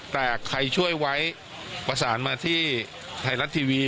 แต่ใครช่วยไว้ประสานมาที่ไทยรัฐทีวี